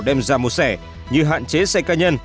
đem ra mô sẻ như hạn chế xe cá nhân